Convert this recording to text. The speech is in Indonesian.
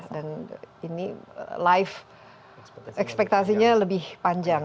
dan ini life expectasinya lebih panjang